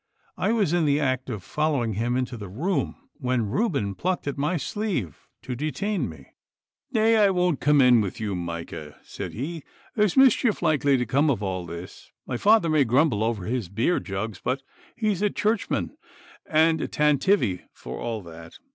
I was in the act of following him into the room, when Reuben plucked at my sleeve to detain me. 'Nay, I won't come in with you, Micah,' said he; 'there's mischief likely to come of all this. My father may grumble over his beer jugs, but he's a Churchman and a Tantivy for all that.